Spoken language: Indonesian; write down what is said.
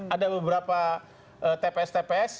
ada beberapa tps tps